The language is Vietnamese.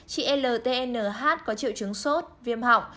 chị ltnh có triệu chứng sốt viêm họng